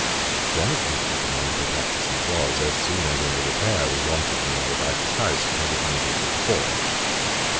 One of his oeconomical practices was, as soon as any repair was wanting in or about his house, to have it immediately performed.